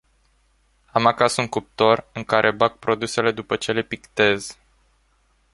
Am acasă un cuptor în care bag produsele după ce le pictez.